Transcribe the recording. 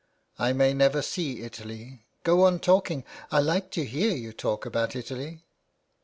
" I may never see Italy. Go on talking. I like to hear you talk about Italy."